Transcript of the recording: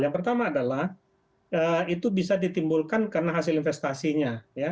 yang pertama adalah itu bisa ditimbulkan karena hasil investasinya